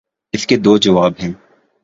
اس کے دو جواب ہیں۔